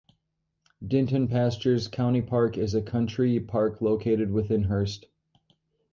Dinton Pastures Country Park is a country park located within Hurst.